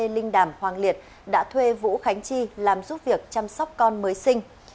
linh đàm hoàng liệt đã thuê vũ khánh chi làm giúp việc chăm sóc con mới sinh